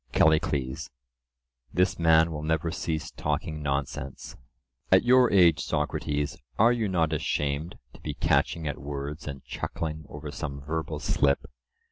CALLICLES: This man will never cease talking nonsense. At your age, Socrates, are you not ashamed to be catching at words and chuckling over some verbal slip?